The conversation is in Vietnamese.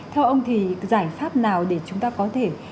theo ông thì giải pháp nào để chúng ta có thể